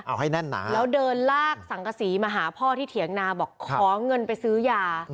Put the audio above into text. เอาให้แน่นหนาแล้วเดินลากสังกษีมาหาพ่อที่เถียงนาบอกขอเงินไปซื้อยา